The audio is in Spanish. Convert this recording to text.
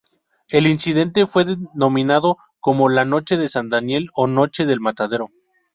El incidente fue denominado como la Noche de San Daniel, o "Noche del Matadero".